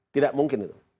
tidak mungkin itu